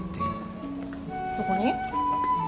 どこに？